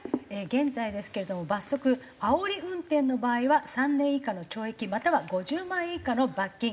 現在ですけれども罰則あおり運転の場合は３年以下の懲役または５０万円以下の罰金。